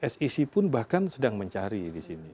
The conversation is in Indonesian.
sec pun bahkan sedang mencari di sini